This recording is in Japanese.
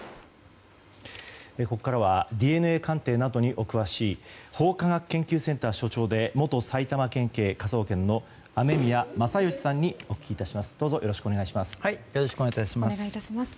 ここからはＤＮＡ鑑定などにお詳しい法科学研究センター所長で元埼玉県警科捜研の雨宮正欣さんにお聞き致します。